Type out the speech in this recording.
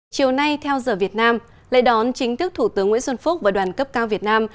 chiều nay theo giờ việt nam lễ đón chính thức thủ tướng nguyễn xuân phúc và đoàn cấp cao việt nam